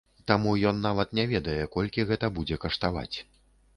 Таму ён нават не ведае, колькі гэта будзе каштаваць.